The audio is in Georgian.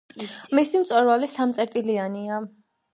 მისი მწვერვალი სამწერტილიანია.